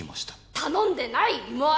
頼んでない芋洗！